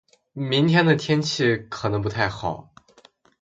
明天的天气可能不太好。